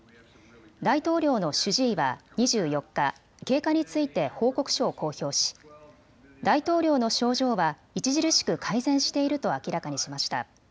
大統領の主治医は２４日、経過について報告書を公表し大統領の症状は著しく改善していると明らかにしました。